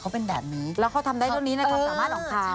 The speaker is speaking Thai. เขาเป็นแบบนี้แล้วเขาทำได้เท่านี้ในความสามารถของเขา